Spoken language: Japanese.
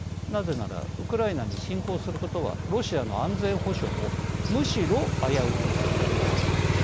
なぜならウクライナに侵攻することはロシアの安全保障をむしろ危うくするからです。